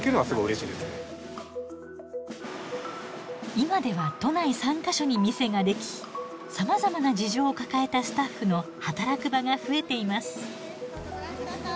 今では都内３か所に店ができさまざまな事情を抱えたスタッフの働く場が増えています。